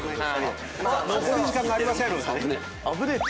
残り時間がありません！